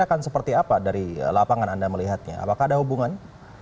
apakah ada hubungan